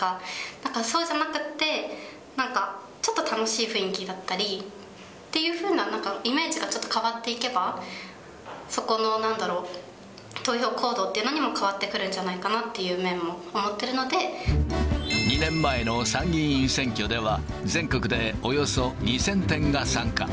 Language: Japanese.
だからそうじゃなくって、ちょっと楽しい雰囲気だったりっていうふうな、なんか、イメージがちょっと変わっていけば、そこの投票行動っていうのにも変わってくるんじゃないかってい２年前の参議院選挙では、全国でおよそ２０００店が参加。